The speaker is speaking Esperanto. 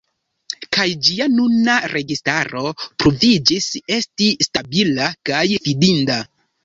Kaj ĝia nuna registaro pruviĝis esti stabila kaj fidinda.